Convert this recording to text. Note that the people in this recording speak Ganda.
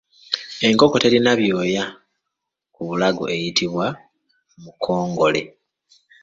Enkoko eterina byoya ku bulago eyitibwa Mukongole.